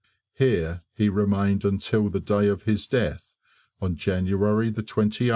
Here he remained until the day of his death on January 28th, 1918.